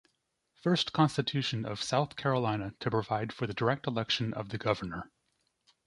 First Constitution of South Carolina to provide for the direct election of the Governor.